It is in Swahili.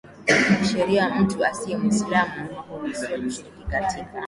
za kisheria mtu asiye Mwislamu hakuruhusiwa kushiriki katika